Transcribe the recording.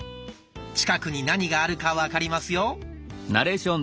近くに何があるか分かりますよ。